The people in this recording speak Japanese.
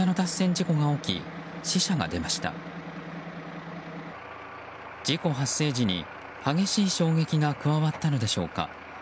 事故発生時に激しい衝撃が加わったのでしょうか。